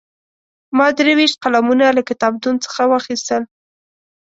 ما درې ویشت قلمونه له کتابتون څخه واخیستل.